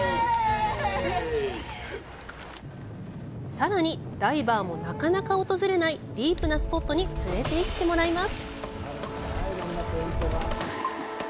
さらに、ダイバーもなかなか訪れないディープなスポットに連れて行ってもらいます。